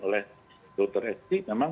oleh dokter etik memang